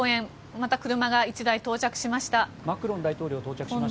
また車が１台到着しました。